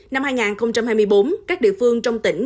năm hai nghìn hai mươi bốn các địa phương trong tỉnh